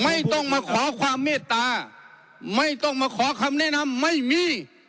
ไม่ต้องมาขอความเมตตาไม่ต้องมาขอคำแนะนำไม่มี